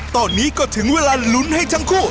ตอนนี้ก็ถึงเวลาลุ้นให้ทั้งคู่